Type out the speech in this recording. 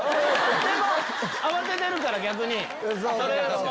でも慌ててるから逆にそれも。